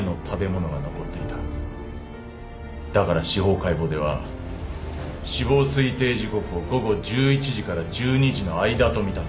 だから司法解剖では死亡推定時刻を午後１１時から１２時の間とみたんだ。